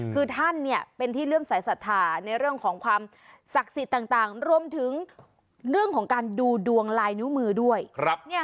คือท่านเป็นที่เรื่องสายศรัทธาในเรื่องของความศักดิ์สิทธิ์ต่างรวมถึงเรื่องของการดูดวงลายนิ้วมือด้วย